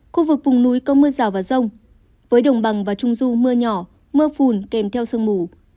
khu vực vùng núi có mưa rào và rông với đồng bằng và trung du mưa nhỏ mưa phùn kèm theo sương mù